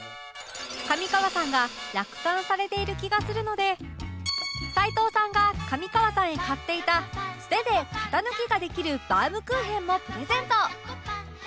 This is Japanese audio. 上川さんが落胆されている気がするので齊藤さんが上川さんへ買っていた素手で型抜きができるバウムクーヘンもプレゼント！